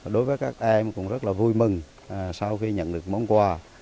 đối với các em cũng rất là vui mừng sau khi nhận được món quà